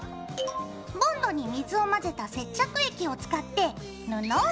ボンドに水を混ぜた接着液を使って真ん中に。